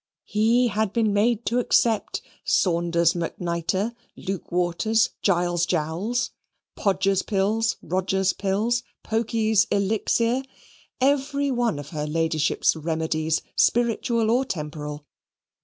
He had been made to accept Saunders McNitre, Luke Waters, Giles Jowls, Podgers' Pills, Rodgers' Pills, Pokey's Elixir, every one of her Ladyship's remedies spiritual or temporal.